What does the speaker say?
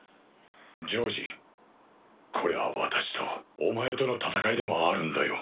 ジョージこれは私とお前との戦いでもあるんだよ。